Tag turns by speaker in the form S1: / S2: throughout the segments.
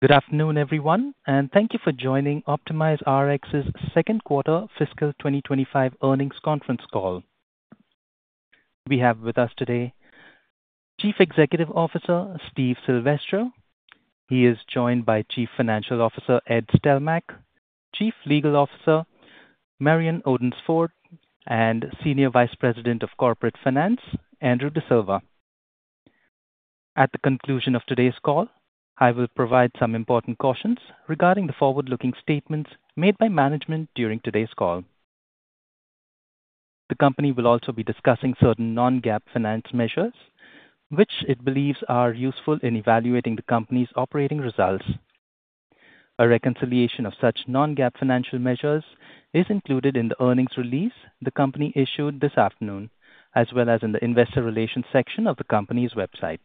S1: Good afternoon everyone and thank you for joining OptimizeRx's Second Quarter Fiscal 2025 Earnings Conference Call. We have with us today Chief Executive Officer Steve Silvestro. He is joined by Chief Financial Officer Ed Stelmakh, Chief Legal Officer Marion Odens Ford, and Senior Vice President of Corporate Finance Andrew Bosova. At the conclusion of today's call, I will provide some important cautions regarding the forward-looking statements made by management. During today's call, the company will also be discussing certain non-GAAP financial measures which it believes are useful in evaluating the company's operating results. A reconciliation of such non-GAAP financial measures is included in the earnings release the company issued this afternoon as well as in the Investor Relations section of the ompany's website.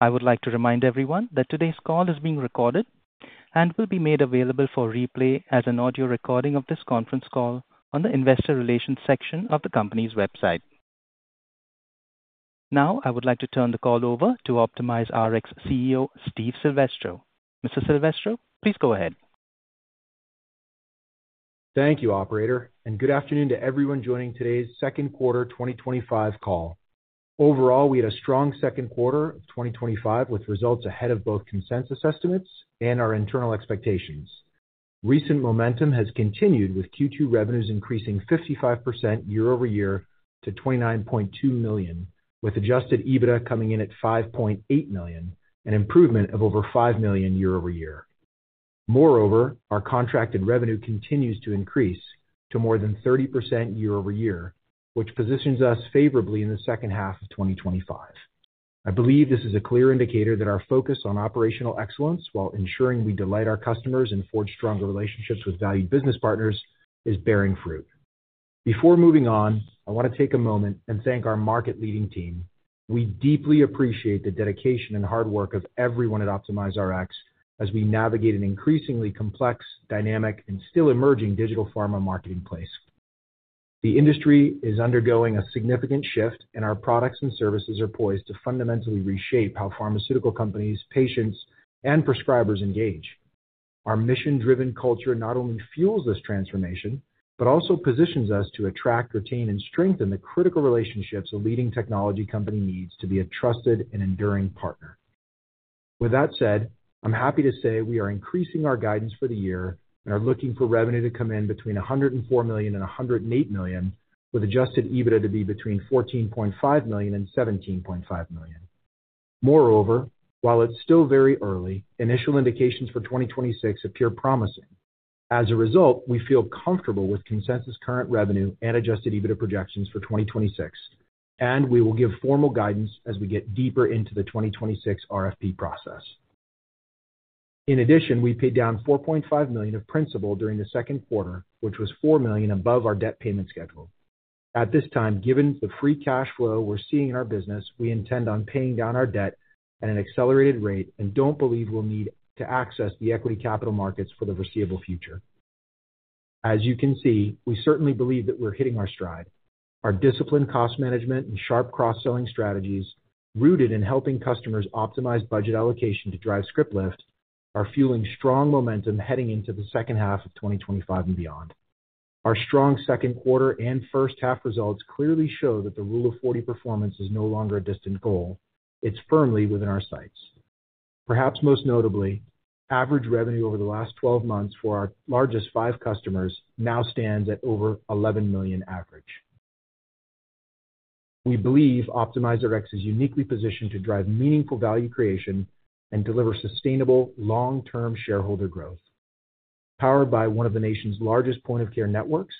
S1: I would like to remind everyone that today's call is being recorded and will be made available for replay as an audio recording of this conference call on the Investor Relations section of the company's website. Now I would like to turn the call over to OptimizeRx CEO Steve Silvestro. Mr. Silvestro, please go ahead.
S2: Thank you, Operator, and good afternoon to everyone joining today's Second Quarter 2025 Call. Overall, we had a strong second quarter of 2025 with results ahead of both consensus estimates and our internal expectations. Recent momentum has continued with Q2 revenues increasing 55% year-over-year to $29.2 million, with adjusted EBITDA coming in at $5.8 million, an improvement of over $5 million year-over-year. Moreover, our contracted revenue continues to increase to more than 30% year-over-year, which positions us favorably in the second half of 2025. I believe this is a clear indicator that our focus on operational excellence, while ensuring we delight our customers and forge stronger relationships with valued business partners, is bearing fruit. Before moving on, I want to take a moment and thank our market-leading team. We deeply appreciate the dedication and hard work of everyone at OptimizeRx as we navigate an increasingly complex, dynamic, and still emerging digital pharma marketplace. The industry is undergoing a significant shift, and our products and services are poised to fundamentally reshape how pharmaceutical manufacturers, patients, and prescribers engage. Our mission-driven culture not only fuels this transformation, but also positions us to attract, retain, and strengthen the critical relationships a leading technology company needs to be a trusted and enduring partner. With that said, I'm happy to say we are increasing our guidance for the year and are looking for revenue to Come in between $104 million and $108 million with adjusted EBITDA to be between $14.5 million and $17.5 million. Moreover, while it's still very early, initial indications for 2026 appear promising. As a result, we feel comfortable with consensus current revenue and adjusted EBITDA projections for 2026, and we will give formal guidance as we get deeper into the 2026 RFP process. In addition, we paid down $4.5 million of principal during the second quarter, which was $4 million above our debt payment schedule at this time. Given the free cash flow we're seeing in our business, we intend on paying down our debt at an accelerated rate and don't believe we'll need to access the equity capital markets for the foreseeable future. As you can see, we certainly believe that we're hitting our stride. Our disciplined cost management and sharp cross-selling strategies rooted in helping customers optimize budget allocation to drive script lift are fueling strong momentum heading into the second half of 2025 and beyond. Our strong second quarter and first half results clearly show that the Rule of 40 performance is no longer a distant goal, it's firmly within our sights. Perhaps most notably, average revenue over the last 12 months for our largest five customers now stands at over 11 million average. We believe OptimizeRx is uniquely positioned to drive meaningful value creation and deliver sustainable Long-term shareholder growth. Powered by one of the nation's largest point of care networks,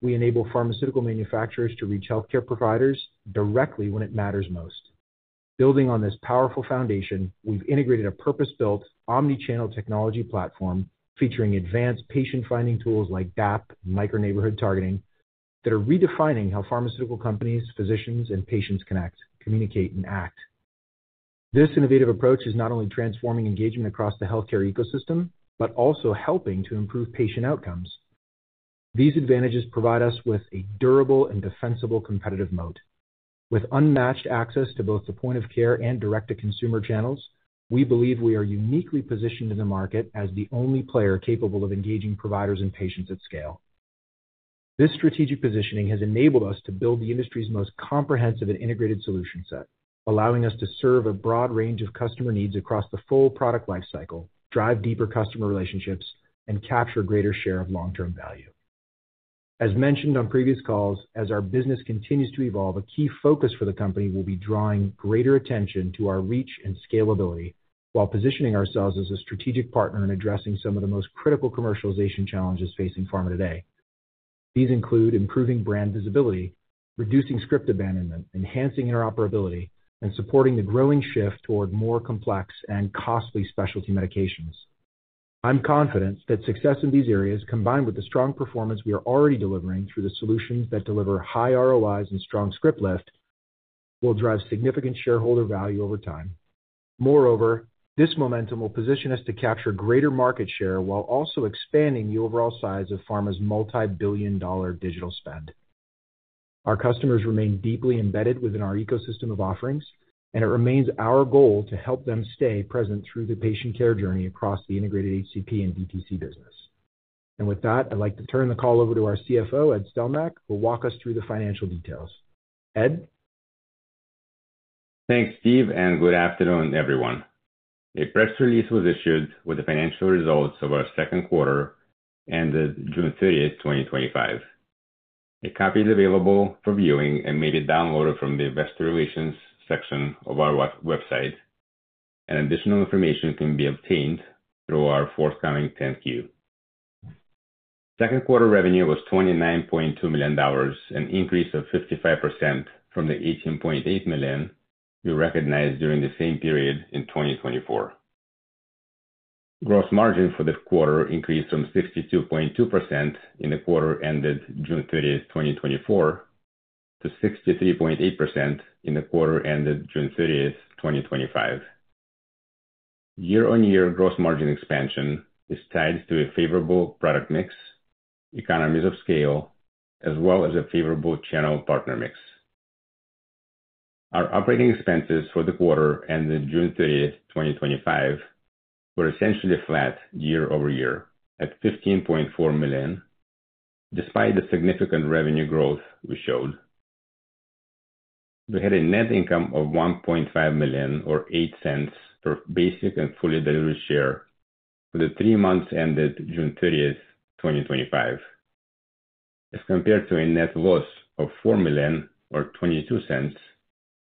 S2: we enable pharmaceutical manufacturers to reach healthcare providers directly when it matters most. Building on this powerful foundation, we've integrated a purpose-built omni-channel technology platform featuring advanced patient-finding tools like DAP Micro Neighborhood Targeting that are redefining how pharmaceutical manufacturers, physicians, and patients connect, communicate, and act. This innovative approach is not only transforming engagement across the healthcare ecosystem, but also helping to improve patient outcomes. These advantages provide us with a durable and defensible competitive moat with unmatched access to both the point of care and direct-to-consumer channels. We believe we are uniquely positioned in the market as the only player capable of engaging providers and patients at scale. This strategic positioning has enabled us to build the industry's most comprehensive and integrated solution set, allowing us to serve a broad range of customer needs across the full product life cycle, drive deeper customer relationships, and capture greater share of long-term value. As mentioned on previous calls, as our business continues to evolve, a key focus for the company will be drawing greater attention to our reach and scalability while positioning ourselves as a strategic partner in addressing some of the most critical commercialization challenges facing pharma today. These include improving brand visibility, reducing script abandonment, enhancing interoperability, and supporting the growing shift toward more complex and costly specialty medications. I'm confident that success in these areas, combined with the strong performance we are already delivering through the solutions that deliver high ROIs and strong script lift, will drive significant shareholder value over time. Moreover, this momentum will position us to capture greater market share while also expanding the overall size of pharma's multi-billion dollar digital spend. Our customers remain deeply embedded within our ecosystem of offerings and it remains our goal to help them stay present through the patient care journey across the integrated HCP and DTC business. With that, I'd like to turn the call over to our CFO, Ed Stelmakh, who will walk us through the financial details. Ed.
S3: Thanks Steve, and good afternoon everyone. A press release was issued with the financial results of our second quarter ended June 30, 2025. A copy is available for viewing and may be downloaded from the Investor Relations section of our website, and additional information can be obtained through our forthcoming 10-Q. Second quarter revenue was $29.2 million, an increase of 55% from the $18.8 million we recognized during the same period in 2024. Gross margin for the quarter increased from 62.2% in the quarter ended June 30, 2024 to 63.8% in the quarter ended June 30, 2025. Year on year, gross margin expansion is tied to a favorable product mix, economies of scale, as well as a favorable channel partner mix. Our operating expenses for the quarter ended June 30, 2025 were essentially flat year-over-year at $15.4 million. Despite the significant revenue growth, we showed we had a net income of $1.5 million or $0.08 per basic and fully diluted share for the three months ended June 30th, 2025 as compared to a net loss of $4 million or $0.22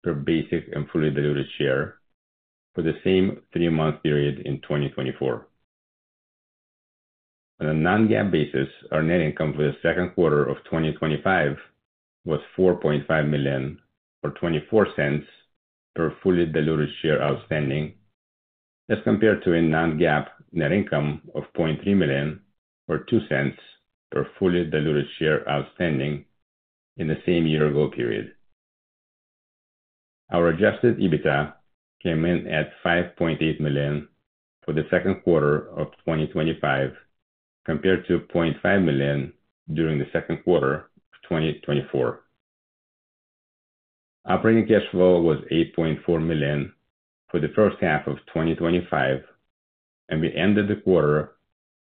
S3: per basic and fully diluted share for the same three month period in 2024. On a non-GAAP basis, our net income for the second quarter of 2025 was $4.5 million or $0.24 per fully diluted share outstanding as compared to a non-GAAP net income of $0.3 million or $0.02 per fully diluted share outstanding in the same year ago period. Our adjusted EBITDA came in at $5.8 million for the second quarter of 2025 compared to $0.5 million during the second quarter 2024. Operating cash flow was $8.4 million for the first half of 2025, and we ended the quarter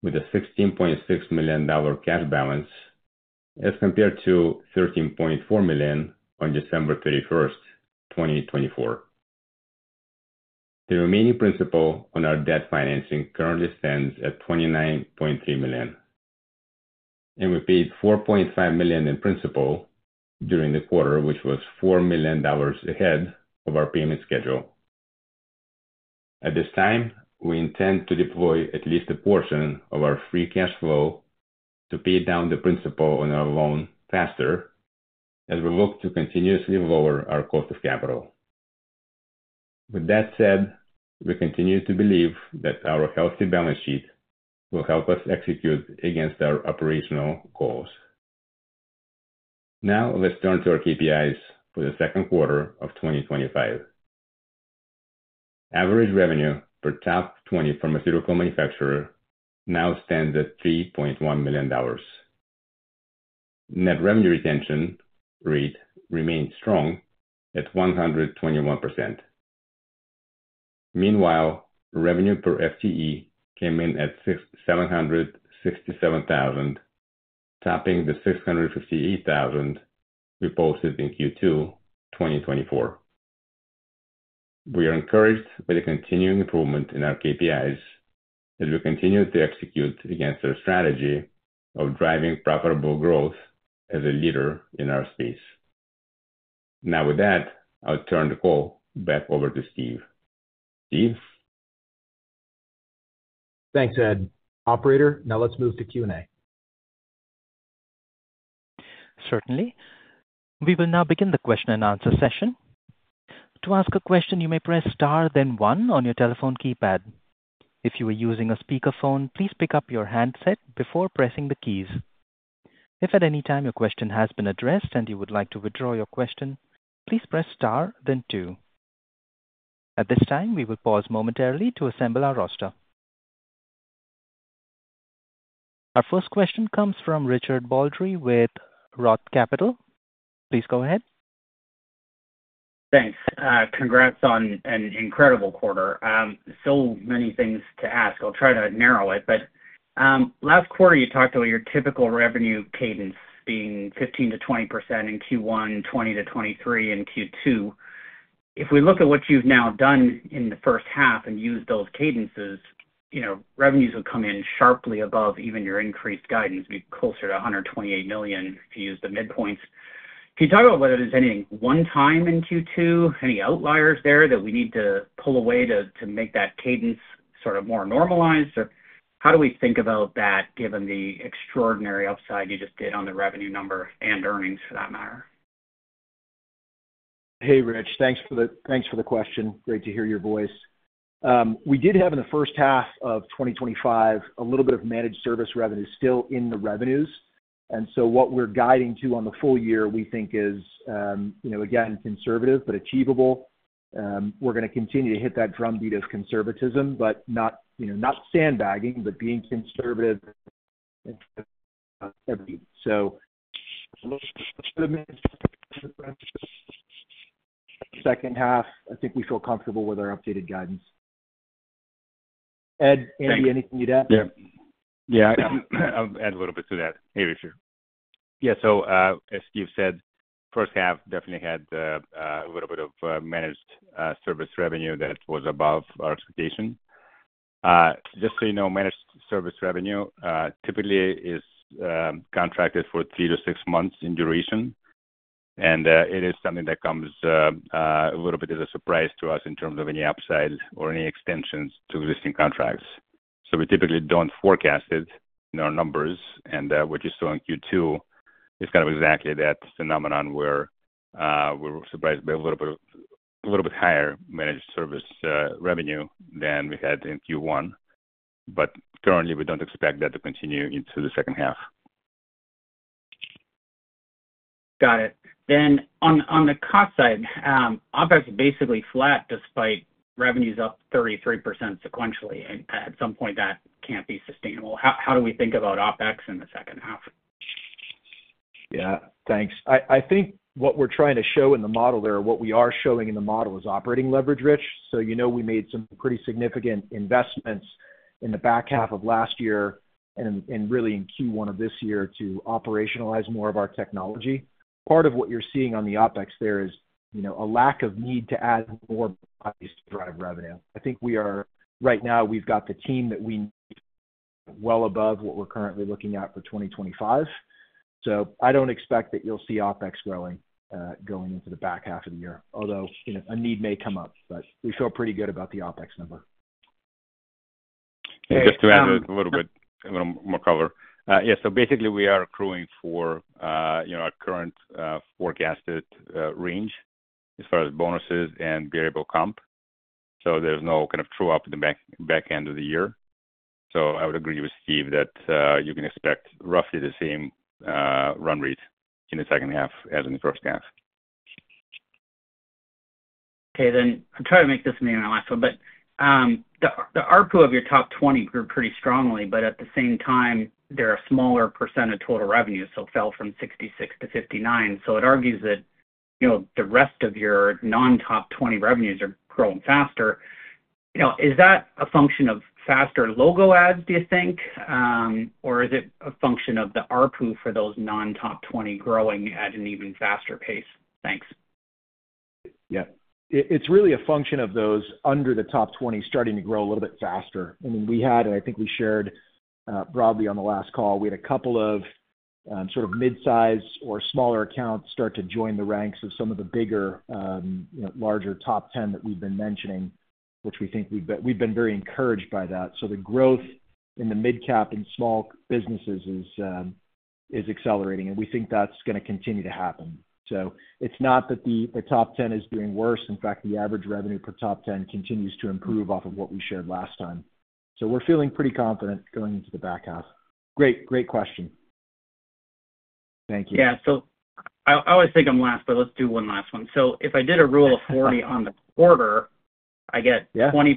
S3: with a $16.6 million cash balance as compared to $13.4 million on December 31st, 2024. The remaining principal on our debt financing currently stands at $29.3 million, and we paid $4.5 million in principal during the quarter, which was $4 million ahead of our payment schedule. At this time, we intend to deploy at least a portion of our free cash flow to pay down the principal on our loan faster as we look to continuously lower our cost of capital. With that said, we continue to believe that our healthy balance sheet will help us execute against our operational goals. Now let's turn to our KPIs for the second quarter of 2025, average revenue per top 20 pharmaceutical manufacturer now stands at $3.1 million. Net revenue retention rate remained strong at 121%. Meanwhile, revenue per FCE came in at $767,000, topping the $658,000 we posted in Q2 2024. We are encouraged by the continuing improvement in our KPIs as we continue to execute against our strategy of driving profitable growth as a leader in our space. With that, I'll turn the call back over to Steve. Steve.
S2: Thanks, Ed. Operator, now let's move to Q&A.
S1: Certainly. We will now begin the question-and-answer session. To ask a question, you may press Star then one on your telephone keypad. If you are using a speakerphone, please pick up your handset before pressing the keys. If at any time your question has been addressed and you would like to withdraw your question, please press Star then two. At this time, we will pause momentarily to assemble our roster. Our first question comes from Richard Baldry with ROTH Capital. Please go ahead.
S4: Thanks. Congrats on an incredible quarter. So many things to ask. I'll try to narrow it, but last quarter you talked about your typical revenue cadence being 15%-20% in Q1, 20%-23% in Q2. If we look at what you've now done in the first half and use those cadences, you know revenues will come in sharply above even your increased guidance. Be closer to $128 million if you use the midpoints. Can you talk about whether there's anything one time in Q2, any outliers there that we need to pull away to make that cadence sort of more normalized? Or how do we think about that, given the extraordinary upside you just did on the revenue number and earnings for that matter?
S2: Hey Rich, thanks for the question. Great to hear your voice. We did have in the first half Of 2025, a little bit of managed service revenue still in the revenues. What we're guiding to on the full year we think is, you know, again, conservative, but achievable. We're going to continue to hit that drumbeat of conservatism, not sandbagging, but being conservative. Second half, I think we feel comfortable with our updated guidance. Ed, Andy, anything you'd add?
S3: Yeah, I'll add a little bit to that. Sure. Yeah. As Steve said, the first half definitely had a little bit of managed service revenue that was above our expectation. Just so you know, managed service revenue typically is contracted for three to six months in duration. It is something that comes a little bit as a surprise to us in terms of any upside or any extensions to existing contracts. We typically don't forecast it in our numbers. What you saw in Q2 is kind of exactly that phenomenon where we were surprised by a little bit higher managed service revenue than we had in Q1. Currently, we don't expect that to continue into the second half.
S4: Got it. On the cost side, OpEx is basically flat despite revenues up 33% sequentially. At some point that can't be sustainable. How do we think about OpEx in the second half?
S2: Yeah, thanks. I think what we're trying to show in the model there, what we are showing in the model is operating leverage, Rich. We made some pretty significant investments in the back half of last year and really in Q1 of this year to operationalize more of our technology. Part of what you're seeing on the OpEx there is a lack of need to add more revenue. I think we are, right now we've got the team that we well above what we're currently looking at for 2025. I don't expect that you'll see OpEx growing going into the back half of the year, although a need may come up. We feel pretty good about the OpEx number.
S3: Just to add a little bit more cover. Basically, we are accruing for our current forecasted range as far as bonuses and variable comp, so there's no kind of throw up in the back end of the year. I would agree with Steve that you can expect roughly the same run rate in the second half as in the first half.
S4: Okay, I'm trying to make this mean, but the ARPU of your top 20 grew pretty strongly, but at the same time they're a smaller percentage of total revenue, so fell from 66%-59%. It argues that, you know, the rest of your non-top 20 revenues are growing faster. You know, is that a function of faster logo add, do you think? Or is it a function of the ARPU for those non-top 20 growing at an even faster pace? Thanks.
S2: Yeah, it's really a function of those under the top 20 starting to grow a little bit faster. I mean, we had, I think we shared broadly on the last call, we had a couple of sort of mid-size or smaller accounts start to join the ranks of some of the bigger, larger top 10 that we've been mentioning, which we think we've been very encouraged by that. The growth in the mid-cap and small businesses is accelerating and we think that's going to continue to happen. It's not that the top 10 is doing worse. In fact, the average revenue per top 10 continues to improve off of what we shared last time. We're feeling pretty confident going into the back half. Great, great question. Thank you.
S4: I always think I'm last, but let's do one last one. If I did a Rule of 40. 40 on the quarter, I get 20%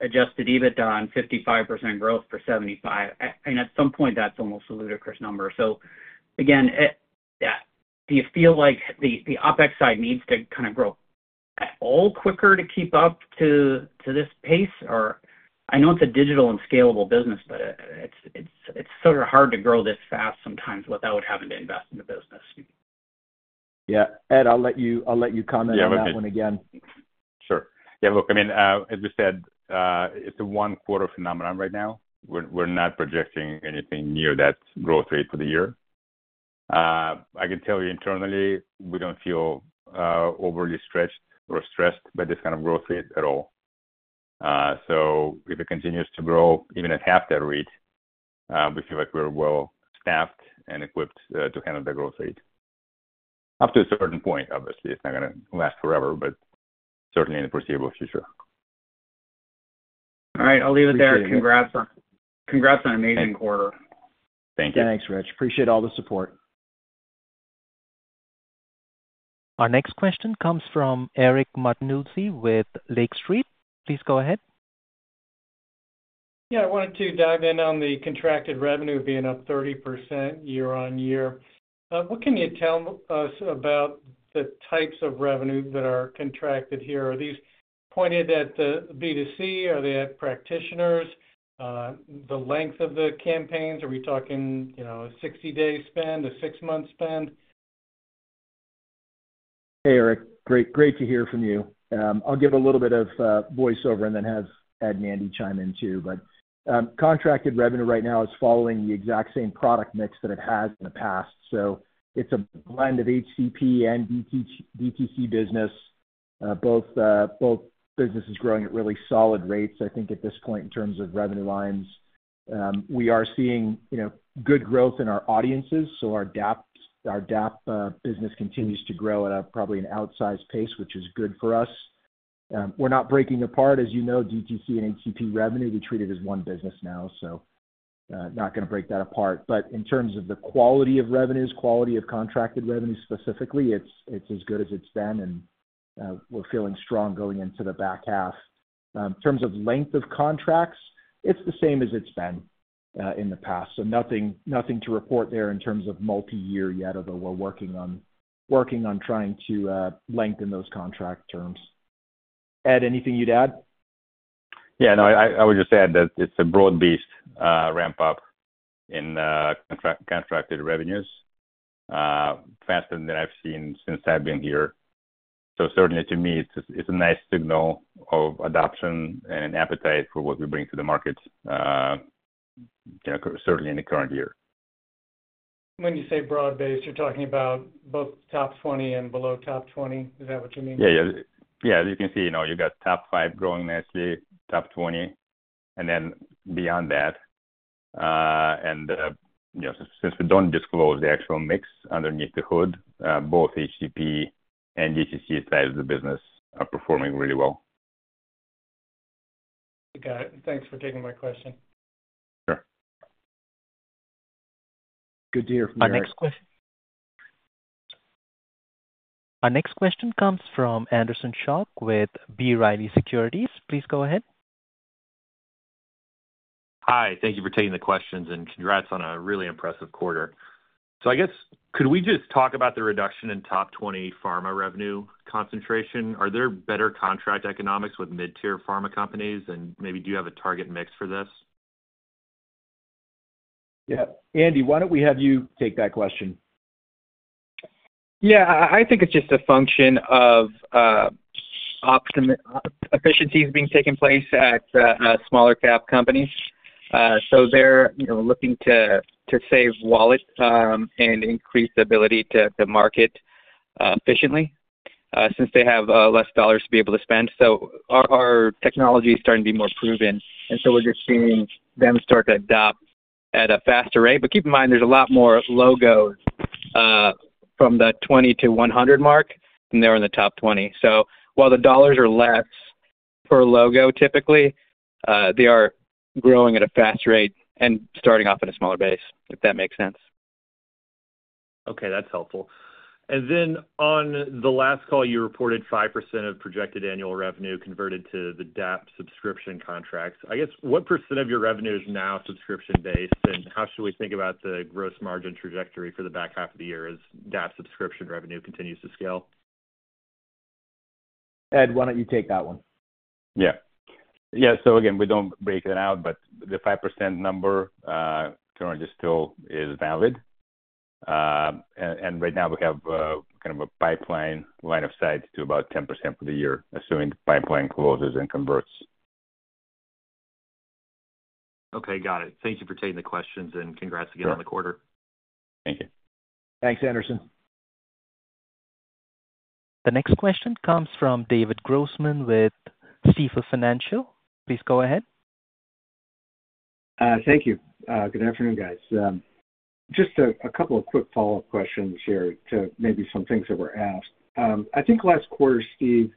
S4: adjusted EBITDA and 55% growth for 75% and at some point that's almost a ludicrous number. Again, do you feel like the OpEx side needs to kind of grow all quicker to keep up to this pace? I know it's a digital and scalable business, but it's sort of hard to grow this fast sometimes without having to. Invest in the business.
S2: Ed, I'll let you comment on that one again.
S3: Sure. Look, as we said, it's a one quarter phenomenon right now. We're not projecting anything near that growth rate for the year. I can tell you internally we don't feel overly stretched or stressed by this kind of growth rate at all. If it continues to grow even at half that rate, we feel like we're well staffed and equipped to handle the growth rate up to a certain point. Obviously it's not going to last forever, but certainly in the foreseeable future.
S4: All right, I'll leave it there. Congrats on. Congrats on amazing quarter.
S2: Thank you. Appreciate all the support.
S1: Our next question comes from Eric Martinuzzi with Lake Street. Please go ahead.
S5: Yeah, I wanted to dive in on the contracted revenue being up 30% year on year. What can you tell us about the types of revenues that are contracted here? Are these pointed at the DTC? Are they at practitioners? The length of the campaigns, are we talking, you know, 60 days spend, a six-month spend.
S2: Hey Eric, great, great to hear from you. I'll give it a little bit of voiceover and then have Ed and Andy chime in too. Contracted revenue right now is following the exact same product mix that it has in the past. It's a blend of HCP and DTC business, both businesses growing at really solid rates I think at this point. In terms of revenue lines, we are seeing, you know, good growth in our audiences. Our DAPs, our DAP business continues to grow at probably an outsized pace, which is good for us. We're not breaking apart. As you know, DTC and HCP revenue be treated as one business now. Not going to break that apart. In terms of the quality of revenues, quality of contracted revenue, specifically it's as good as it's been and we're feeling strong going into the back half. In terms of length of contracts, it's the same as it's been in the past. Nothing to report there in terms of multi year yet, although we're working on trying to lengthen those contract terms. Ed, anything you'd add?
S3: Yeah, no, I would just add that it's a broad-based ramp up in contracted revenues faster than I've seen since I've been here. Certainly to me it's a nice signal of adoption and appetite for what we bring to the market, certainly in the current year.
S5: When you say broad based, you're talking about both top 20 and below top 20, is that what you mean? Yeah, yeah.
S3: As you can see, you got top five growing nicely, top 20, and then beyond that. Since we don't disclose the actual mix underneath the hood, both HCP and you can see that the business are performing really well.
S5: Got it. Thanks for taking my question. Sure.
S3: Good to hear from you.
S1: Our next question comes from Anderson Schock with B. Riley. Please go ahead.
S6: Hi. Thank you for taking the questions, and congrats on a really impressive quarter. Could we just talk about the reduction in top 20 pharma revenue concentration? Are there better contract economics with mid-tier pharma companies, and maybe do you have a target mix for this?
S2: Yeah. Andy, why don't we have you take that question?
S7: I think it's just a function of efficiencies being taken place at smaller cap companies. They're looking to save wallet and increase the ability to market efficiently since they have less dollars to be able to spend. Our technology is starting to be more proven, and we're just seeing them start to adopt at a faster rate. Keep in mind there's a lot more logos from the 20-100 mark than there are in the top 20. While the dollars are less per logo typically, they are growing at a fast rate and starting off at a smaller base, if that makes sense.
S6: Okay, that's helpful. On the last call, you reported 5% of projected annual revenue converted to the DAP subscription contracts. I guess what percentage of your revenue is now subscription based? How should we think about the gross margin trajectory for the back half of the year as that subscription revenue continues to scale?
S2: Ed, why don't you take that one?
S3: Yeah. We don't break it out, but the 5% number currently still is valid. Right now we have kind of a pipeline line of sight to about 10% for the year, assuming the pipeline closes and converts.
S6: Okay, got it. Thank you for taking the questions and congrats again on the quarter.
S3: Thank you.
S2: Thanks, Anderson.
S1: The next question comes from David Grossman with Stifel Financial. Please go ahead.
S8: Thank you. Good afternoon, guys. Just a couple of quick follow-up questions here to maybe some things that were asked, I think last quarter. Steve,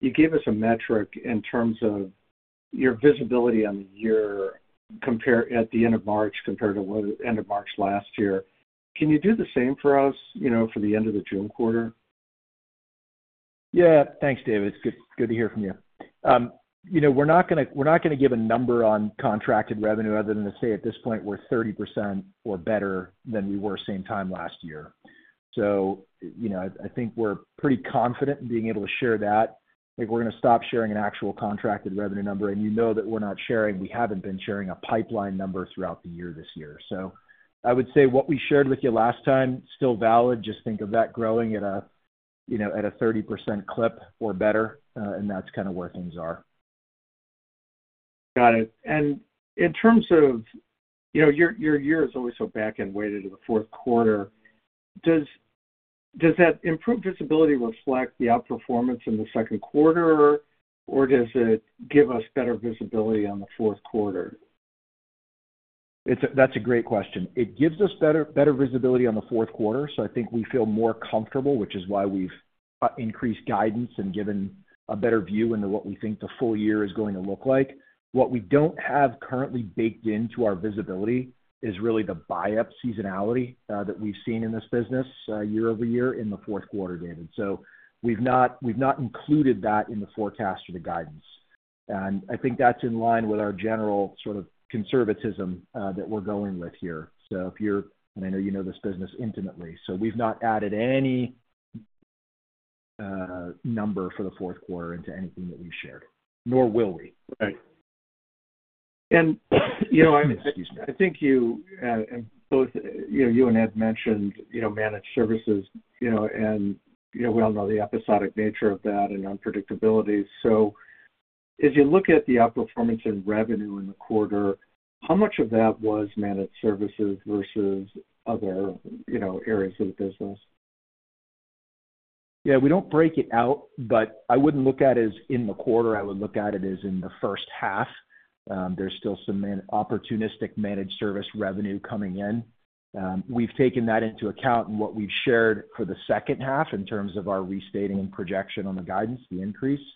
S8: you gave us a metric in terms of your visibility on the year. Compare at the end of March compared to end of March last year. Can you do the same for us, you know, for the end of the June quarter?
S2: Yeah, thanks, David. It's good to hear from you. You know, we're not going to, we're not going to give a number on contracted revenue other than to say at this point we're 30% or better than we were same time last year. I think we're pretty confident in being able to share that if we're going to stop sharing an actual contracted revenue number and that we're not sharing, we haven't been sharing a pipeline number throughout. What we shared with you last time is still valid. Just think of that growing at a 30% clip or better, and that's kind of where things are.
S8: Got it. In terms of your year always being so back and weighted in the fourth quarter, does that improved visibility reflect the outperformance in the second quarter or does it give us better visibility on the fourth quarter?
S2: That's a great question. It gives us better visibility on the fourth quarter. I think we feel more comfortable, which is why we've increased guidance and given a better view into what we think the full year is going to. What we don't have currently baked into our visibility is really the buy up seasonality that we've seen in this business year-over-year in the fourth quarter, David. We've not included that in the forecast or the guidance. I think that's in line with our general sort of conservatism that we're going with here. If you're, and I know you know this business intimately, we've not added any number for the fourth quarter into anything that we've shared, nor will we.
S8: I think you and Ed mentioned managed services, and we all know the episodic nature of that and unpredictability. As you look at the outperformance in revenue in the quarter, how much of that was managed services versus other areas of the business?
S2: We don't break it out. I wouldn't look at as in the quarter, I would look at it as in the first half. There's still some opportunistic managed service revenue coming in. We've taken that into account and what we've shared for the second half in terms of our restating and projection on the guidance, the increase,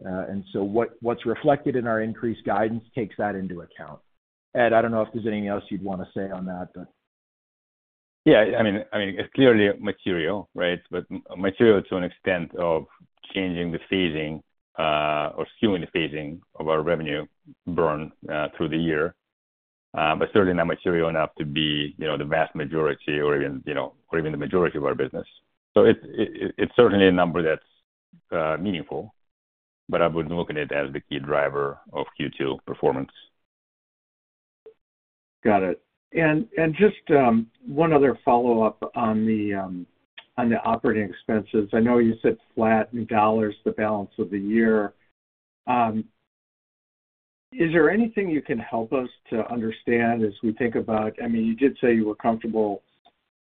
S2: and what's reflected in our increased guidance takes that into account. Ed, I don't know if there's anything else you'd want to say on that.
S3: I mean it's clearly material. Right. Material to an extent of changing the phasing or skewing the phasing of our revenue burn through the year, but certainly not material enough to be, you know, the vast majority or even the majority of our business. It's certainly a number that's meaningful, but I would look at it as the key driver of Q2 performance.
S8: Got it. Just one other follow up on the operating expenses. I know you said flat in dollars, the balance of the year. Is there anything you can help us to understand as we think about, I mean, you did say you were comfortable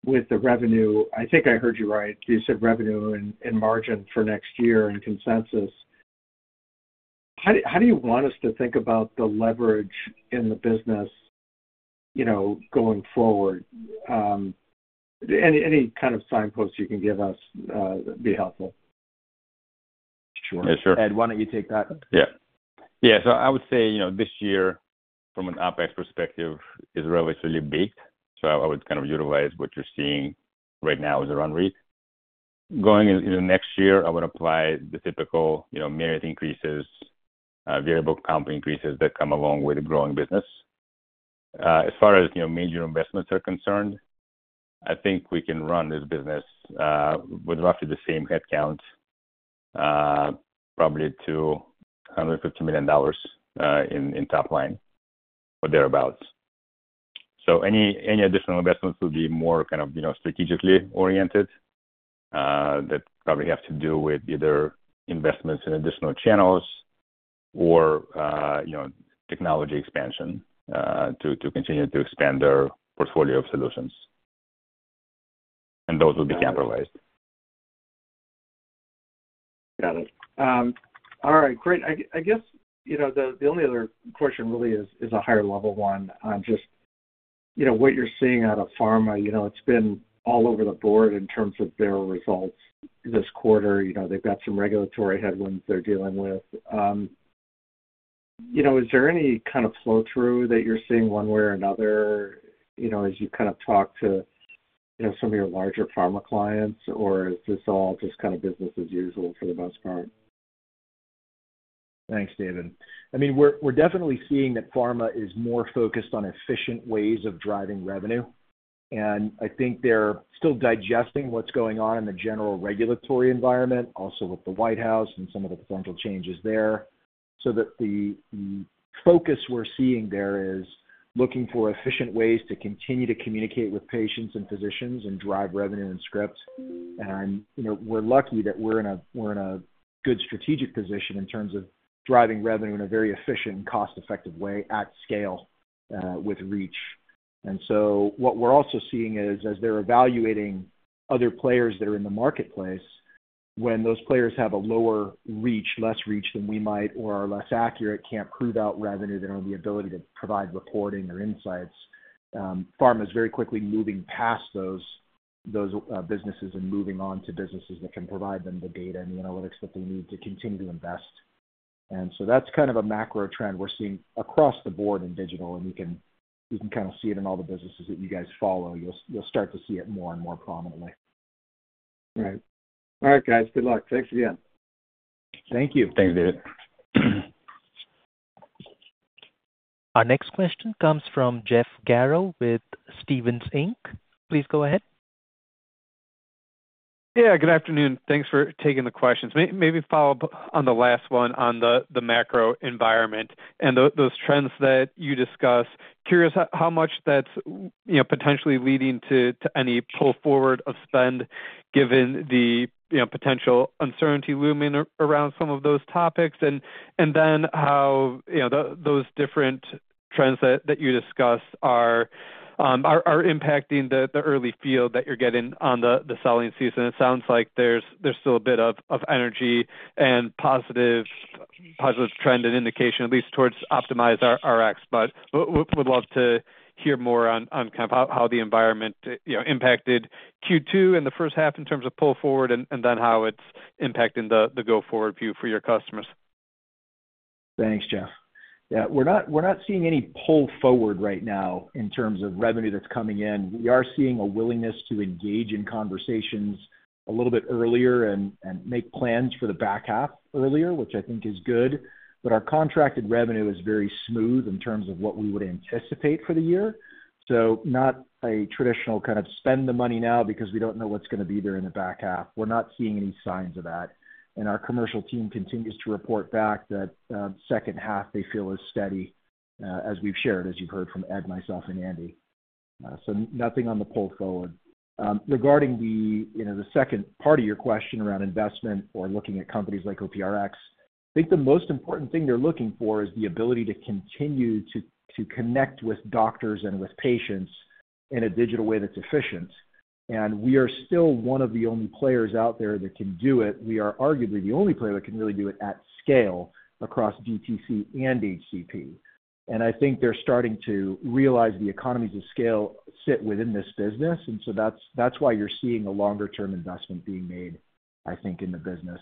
S8: with the revenue. I think I heard you right. You said revenue and margin for next year in consensus. How do you want us to think about the leverage in the business going forward? Any kind of signpost you can give us be helpful.
S3: Sure, sure.
S2: Ed, why don't you take that?
S3: Yeah, yeah. I would say, you know, this year from an OpEx perspective is relatively big. I would kind of utilize what you're seeing right now as a run rate going into next year. I would apply the typical, you know, merit increases, variable comp increases that come along with a growing business. As far as, you know, major investments are concerned, I think we can run this business with roughly the same headcount, probably to $150 million in top line or thereabouts. Any additional investments would be more strategically oriented. That probably have to do with either investments in additional channels or technology expansion to continue to expand their portfolio of solutions, and those will be capitalized.
S8: Got it. All right, great. I guess the only other question really is a higher level one on just what you're seeing out of pharma. It's been all over the board in terms of their results this quarter. They've got some regulatory headwinds they're dealing with. Is there any kind of flow through that you're seeing one way or another as you kind of talk to some of your larger pharma clients, or is this all just kind of business as usual for the most part?
S2: Thanks, David. I mean, we're definitely seeing that pharma is more focused on efficient ways of driving revenue. I think they're still digesting what's going on in the general regulatory environment also with the White House and some of the fundamental changes there. The focus we're seeing there is looking for efficient ways to continue to communicate with patients and physicians and drive revenue and script, and we're lucky that we're in a good strategic position in terms of driving revenue in a very efficient and cost effective way at scale with reach. What we're also seeing is as they're evaluating other players that are in the marketplace, when those players have a lower reach, less reach than we might or are less accurate, can't prove out revenue, they don't have the ability to provide reporting or insights. Pharma is very quickly moving past those businesses and moving on to businesses that can provide them the data and the analytics that they need to continue to invest. That's kind of a macro trend we're seeing across the board in digital. You can kind of see it in all the businesses that you guys follow. You'll start to see it more and more prominently.
S8: Right. All right, guys, good luck. Thanks again.
S2: Thank you.
S3: Thanks, David.
S1: Our next question comes from Jeff Garro with Stephens Inc. Please go ahead.
S9: Yeah, good afternoon. Thanks for taking the questions. Maybe follow up on the last one on the macro environment and those trends that you discuss. Curious how much that's, you know, potentially leading to any pull forward of spend given the potential uncertainty looming around some of those topics, and then how those different trends that you discuss are impacting the early feel that you're getting on the selling season. It sounds like there's still a bit of energy and positive trend and indication at least towards OptimizeRx, but would love to hear more on kind of how the environment impacted Q2 and the first half in terms of pull forward and then how it's impacting the go forward view for your customers.
S2: Thanks, Jeff. Yeah, we're not seeing any pull forward right now in terms of revenue that's coming in. We are seeing a willingness to engage in conversations a little bit earlier and make plans for the back half earlier, which I think is good. Our contracted revenue is very smooth in terms of what we would anticipate for the year. Not a traditional kind of spend the money now because we don't know what's going to be there in the back half. We're not seeing any signs of that our commercial team continues to report back that second half. They feel as steady as we've shared, as you've heard from Ed, myself and Andy. Nothing on the pull forward regarding the second part of your question around investment or looking at companies like OptimizeRx. I think the most important thing they're looking for is the ability to continue to connect with doctors and with patients in a digital way that's efficient, and we are still one of the only players out there that can do it. We are arguably the only player that can really do it at scale across DTC and HCP. I think they're starting to realize the economies of scale sit within this business, and that's why you're seeing a longer term investment being made, I think, in the business.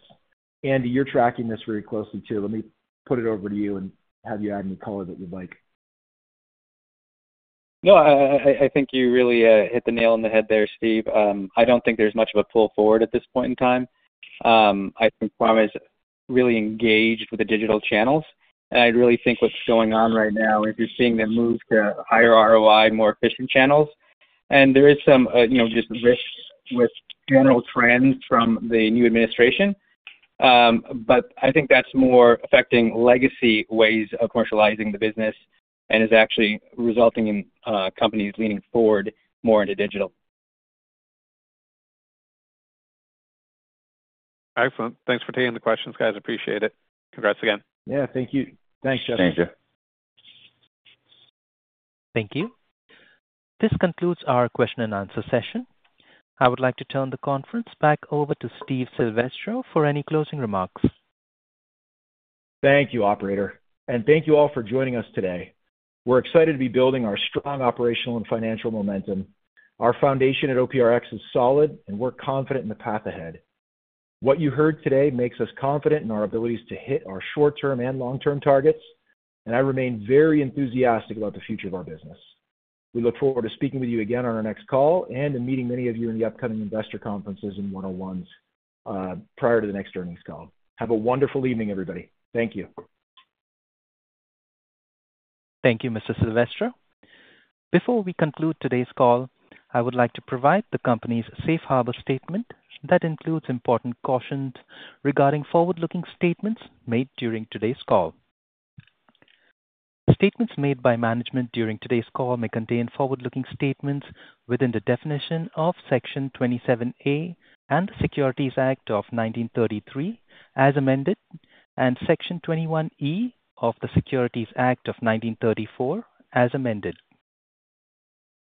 S2: Andy, you're tracking this very closely too. Let me put it over to you and have you add any color that you'd like.
S7: I think you really hit the nail on the head there, Steve. I don't think there's much of a pull forward at this point in time. I think pharma is really engaged with the digital channels, and I really think what's going on right now, you're seeing them move to ROI, more efficient channels, and there is some risk with general trends from the new administration. I think that's more affecting legacy ways of commercializing the business and is actually resulting in companies leaning forward more into digital.
S9: Excellent. Thanks for taking the questions, guys. Appreciate it. Congrats again.
S7: Yeah, thank you.
S2: Thanks, Jeff.
S3: Thank you.
S1: Thank you. This concludes our question-and-answer session. I would like to turn the conference back over to Steve Silvestro for any closing remarks.
S2: Thank you, operator, and thank you all for joining us today. We're excited to be building our strong operational and financial momentum. Our foundation at OptimizeRx is solid we're confident in the path ahead. What you heard today makes us confident. In our abilities to hit our short term and long term targets, and I remain very enthusiastic about the future of our business. We look forward to speaking with you again on our next call and in meeting many of you in the upcoming investor conferences and one on ones prior to the next earnings call. Have a wonderful evening, everybody. Thank you.
S1: Thank you, Mr. Silvestro. Before we conclude today's call, I would like to provide the company's Safe Harbor statement that includes important cautions regarding forward-looking statements made during today's call. Statements made by management during today's call may contain forward-looking statements within the definition of Section 27A of the Securities Act of 1933, as amended, and Section 21E of the Securities Exchange Act of 1934, as amended.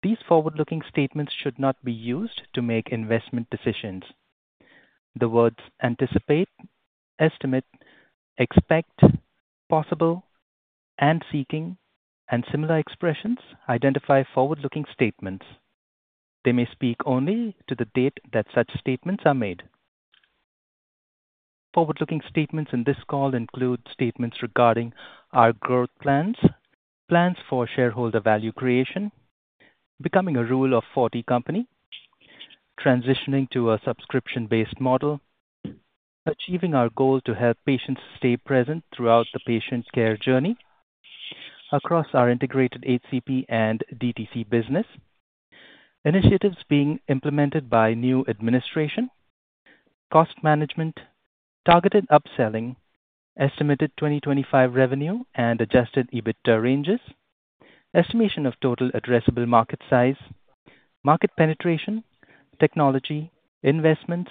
S1: These forward-looking statements should not be used to make investment decisions. The words anticipate, estimate, expect, possible, and seeking, and similar expressions identify forward-looking statements. They may speak only to the date that such statements are made. Forward-looking statements in this call include statements regarding our growth plans, plans for shareholder value creation, becoming a Rule of 40 company, transitioning to a subscription-based model, achieving our goal to help patients stay present throughout the patient care journey across our integrated HCP and DTC business initiatives being implemented by new administration, cost management, targeted upselling, estimated 2025 revenue and adjusted EBITDA ranges, estimation of total addressable market size, market penetration, technology investments,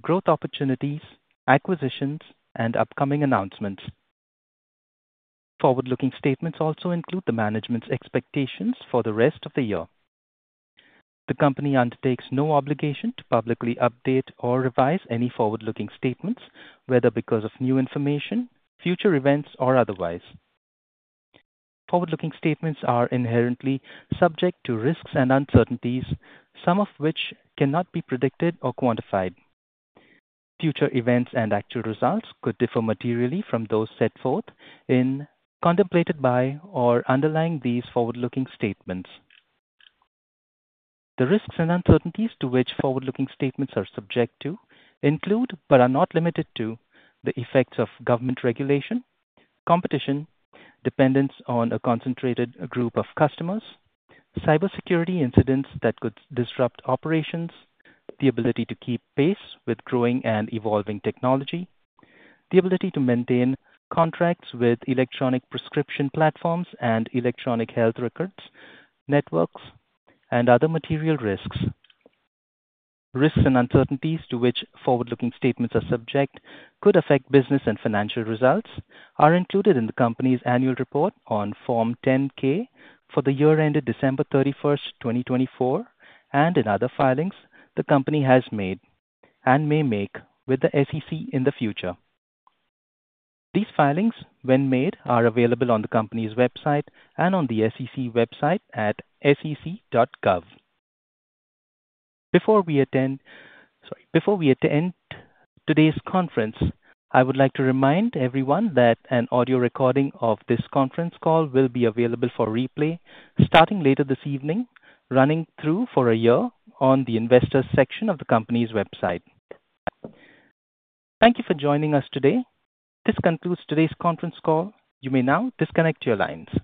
S1: growth opportunities, acquisitions, and upcoming announcements. Forward-looking statements also include management's expectations for the rest of the year. The company undertakes no obligation to publicly update or revise any forward-looking statements, whether because of new information, future events, or otherwise. Forward-looking statements are inherently subject to risks and uncertainties, some of which cannot be predicted or quantified. Future events and actual results could differ materially from those set forth in, contemplated by, or underlying these forward-looking statements. The risks and uncertainties to which forward-looking statements are subject include, but are not limited to, the effects of government regulation, competition, dependence on a concentrated group of customers, cybersecurity incidents that could disrupt operations, the ability to keep pace with growing and evolving technology, the ability to maintain contracts with electronic prescription platforms and electronic health records networks, and other material risks. Risks and uncertainties to which forward-looking statements are subject that could affect business and financial results are included in the company's annual report on Form 10-K for the year ended December 31, 2024, and in other filings the company has made and may make with the SEC in the future. These filings, when made, are available on the company's website and on the SEC website at sec.gov. Before we attend today's conference, I would like to remind everyone that an audio recording of this conference call will be available for replay starting later this evening, running for a year on the Investors section of the company's website. Thank you for joining us today. This concludes today's conference call. You may now disconnect your lines.